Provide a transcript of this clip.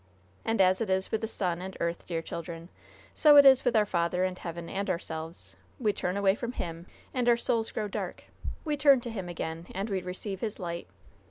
And as it is with the sun and earth, dear children, so it is with our Father in heaven and ourselves. We turn away from Him, and our souls grow dark; we turn to Him again, and we receive His light.